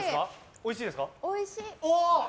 おいしい！